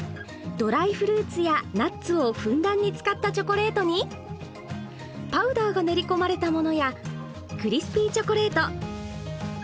ドライフルーツやナッツをふんだんに使ったチョコレートにパウダーが練りこまれたものやクリスピーチョコレート。